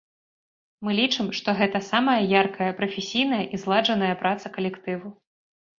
Мы лічым, што гэта самая яркая, прафесійная і зладжаная праца калектыву.